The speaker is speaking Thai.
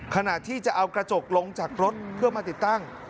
ขณะที่จะเอากระจกลงจากรถเพื่อมาติดตั้ง